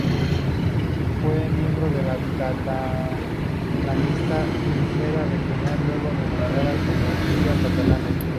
Fue miembro de la catalanista Lliga Regionalista, luego renombrada como Lliga Catalana.